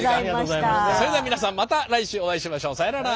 それでは皆さんまた来週お会いしましょう。さようなら。